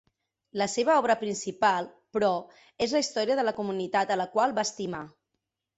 La seva obra principal, però, és la història de la comunitat a la qual va estimar.